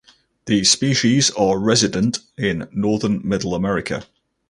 These species are resident in northern Middle America.